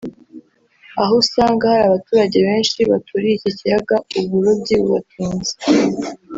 aho usanga hari abaturage benshi baturiye iki kiyaga ubu burobyi bubatunze